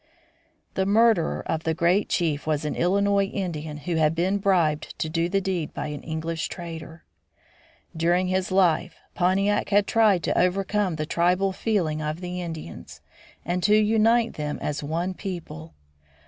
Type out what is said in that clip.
The murderer of the great chief was an Illinois Indian who had been bribed to do the deed by an English trader. During his life Pontiac had tried to overcome the tribal feeling of the Indians, and to unite them as one people.